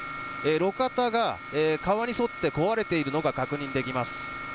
路肩が川に沿って壊れているのが確認できます。